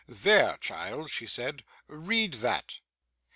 'There, child,' she said, 'read that.